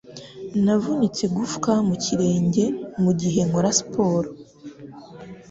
Navunitse igufwa mu kirenge mugihe nkora siporo.